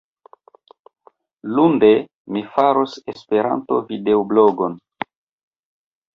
Lunde, mi faros Esperanto-videoblogon.